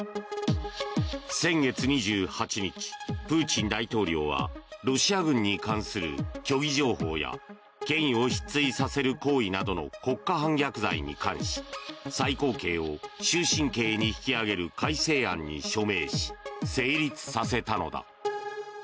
先月２８日、プーチン大統領はロシア軍に関する虚偽情報や権威を失墜させる行為などの国家反逆罪に関し最高刑を終身刑に引き上げる改正案に署名し成立させたのだ。